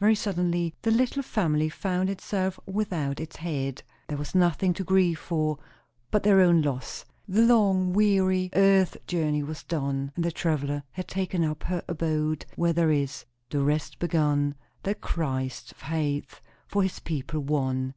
Very suddenly the little family found itself without its head. There was nothing to grieve for, but their own loss. The long, weary earth journey was done, and the traveller had taken up her abode where there is "The rest begun, That Christ hath for his people won."